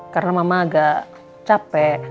karena mama agak capek